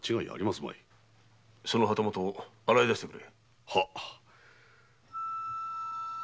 その旗本を洗い出してくれ。